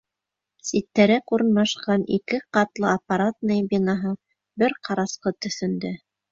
Ситтәрәк урынлашҡан ике ҡатлы «Аппаратная» бинаһы бер ҡарасҡы төҫөндә.